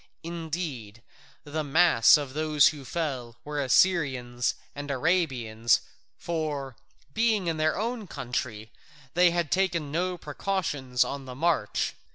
Indeed, the mass of those who fell were Assyrians and Arabians, for, being in their own country, they had taken no precautions on the march.